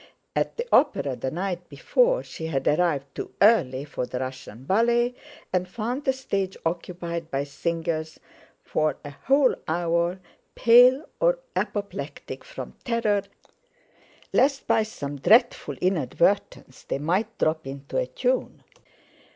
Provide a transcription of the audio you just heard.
At the Opera, the night before, she had arrived too early for the Russian Ballet, and found the stage occupied by singers, for a whole hour pale or apoplectic from terror lest by some dreadful inadvertence they might drop into a tune.